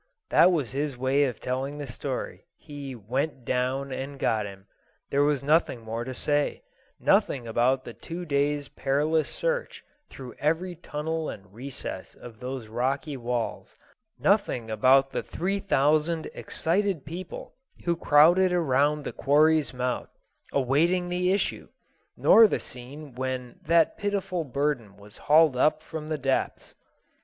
That was his way of telling the story: he "went down and got him." There was nothing more to say; nothing about the two days' perilous search through every tunnel and recess of those rocky walls; nothing about the three thousand excited people who crowded around the quarry's mouth, awaiting the issue, nor the scene when that pitiful burden was hauled up from the depths.